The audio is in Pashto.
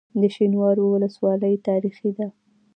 د شینوارو ولسوالۍ تاریخي ده